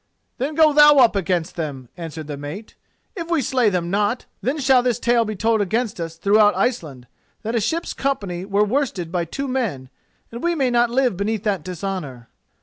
"Then go thou up against them," answered the mate. "If we slay them not, then shall this tale be told against us throughout Iceland: that a ship's company were worsted by two men, and we may not live beneath that dishonour."